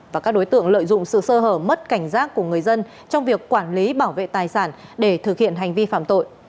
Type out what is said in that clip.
và các đối tượng lợi dụng sự sơ hở mất cảnh giác của người dân trong việc quản lý bảo vệ tài sản để thực hiện hành vi phạm tội